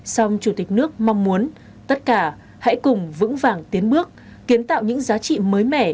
song chủ tịch nước mong muốn tất cả hãy cùng vững vàng tiến bước kiến tạo những giá trị mới mẻ